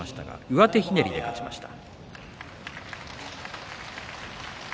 上手ひねりで勝ちました。